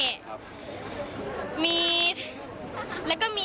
และก็มีซื้อซูชิมาแจกอีก